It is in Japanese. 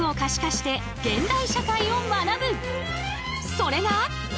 それが。